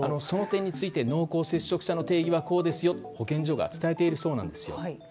その点について濃厚接触者の定義はこうですよと保健所が伝えているそうです。